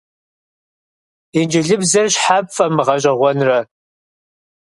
Инджылызыбзэр щхьэ пфӀэмыгъэщӀэгъуэнрэ?